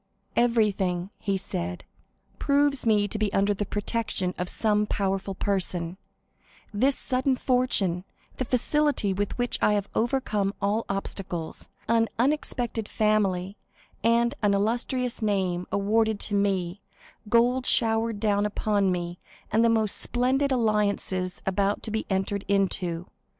50153m "Everything," he said, "proves me to be under the protection of some powerful person,—this sudden fortune, the facility with which I have overcome all obstacles, an unexpected family and an illustrious name awarded to me, gold showered down upon me, and the most splendid alliances about to be entered into.